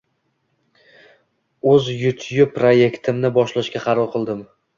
Oʻz Yutyub proyektimni boshlashga qaror qildim.